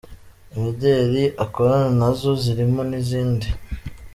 Imideli akorana na zo zirimo n’izindi.